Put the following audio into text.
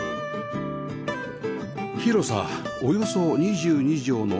広さおよそ２２畳の ＬＤＫ